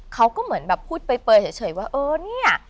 เขาก็เหมือนแบบพูดเปลยเฉยว่าเออเนี่ย